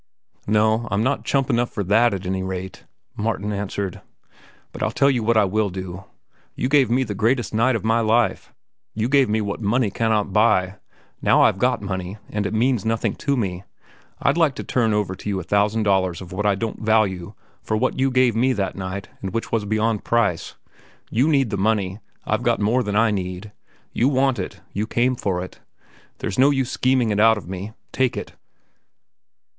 "No, I'm not chump enough for that, at any rate," Martin answered. "But I'll tell you what I will do. You gave me the greatest night of my life. You gave me what money cannot buy. Now I've got money, and it means nothing to me. I'd like to turn over to you a thousand dollars of what I don't value for what you gave me that night and which was beyond price. You need the money. I've got more than I need. You want it. You came for it. There's no use scheming it out of me. Take it."